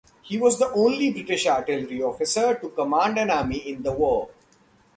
He was the only British artillery officer to command an army in the war.